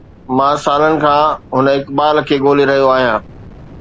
مان سالن کان هن اقبال کي ڳولي رهيو آهيان